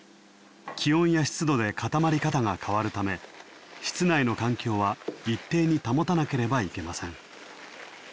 気温や湿度で固まり方が変わるため室内の環境は一定に保たなければいけません。